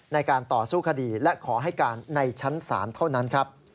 ในการต่อสู้คดีและขอให้การในชั้นศาลเท่านั้นครับ